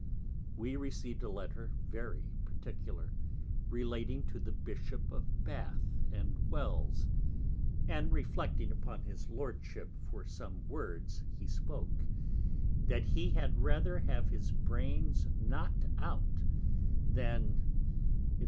We receiv'd a Letter, very particular, relating to the Bishop of Bath and Wells, and reflecting upon his Lordship for some Words he spoke, That he had rather have his Brains knock'd out, than &c.